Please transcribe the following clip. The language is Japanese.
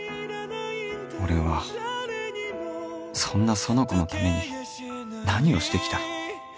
俺はそんな苑子のために何をしてきた？